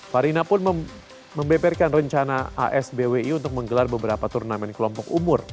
farina pun membeberkan rencana asbwi untuk menggelar beberapa turnamen kelompok umur